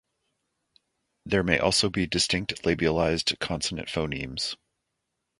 There may also be distinct labialised consonant phonemes.